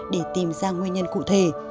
để tìm ra nguyên nhân cụ thể